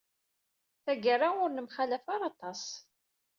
Tagara, ur nemxallaf ara aṭas.